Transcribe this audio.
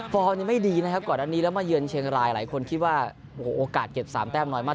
ไม่ดีนะครับก่อนอันนี้แล้วมาเยือนเชียงรายหลายคนคิดว่าโอ้โหโอกาสเก็บ๓แต้มน้อยมาก